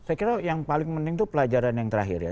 saya kira yang paling penting itu pelajaran yang terakhir ya